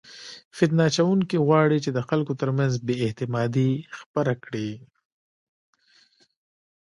فتنه اچونکي غواړي چې د خلکو ترمنځ بې اعتمادي خپره کړي.